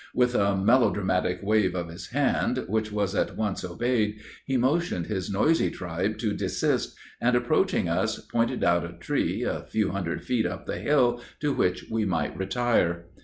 With a melo dramatic wave of his hand, which was at once obeyed, he motioned his noisy tribe to desist, and, approaching us, pointed out a tree, a few hundred feet up the hill, to which we might retire.